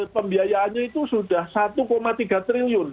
pembiayaannya itu sudah satu tiga triliun